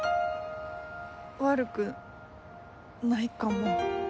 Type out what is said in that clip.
悪くないかも。